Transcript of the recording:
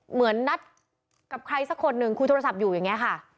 เหมือนนัดกับใครสักคนหนึ่งคุยโทรศัพท์อยู่อย่างนี้ค่ะ